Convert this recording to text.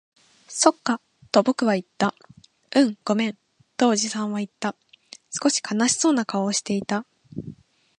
そっか、と僕は言った。うん、ごめん、とおじさんは言った。少し悲しそうな顔をしていた。